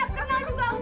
enggak ada yang datang